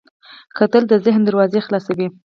کتل د ذهن دروازې خلاصوي